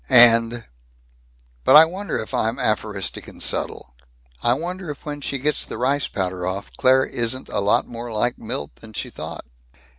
And, "But I wonder if I am aphoristic and subtle? I wonder if when she gets the rice powder off, Claire isn't a lot more like Milt than she thought?"